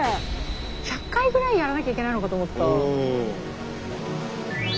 １００回ぐらいやらなきゃいけないのかと思った。